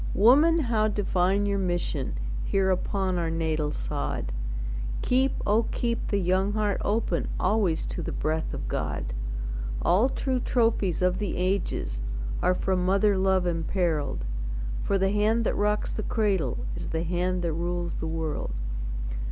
Woman, how divine your mission Here upon our natal sod! Keep, oh, keep the young heart open Always to the breath of God! All true trophies of the ages Are from mother love impearled; For the hand that rocks the cradle Is the hand that rules the world.